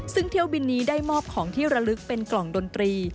ซึ่งเที่ยวบินนี้ได้มอบของที่ระลึกเป็นกล่องดนตรี